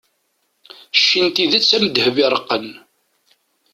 cci n tidet am ddheb iṛeqqen